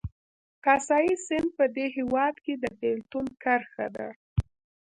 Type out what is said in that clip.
کاسای سیند په دې هېواد کې د بېلتون کرښه ده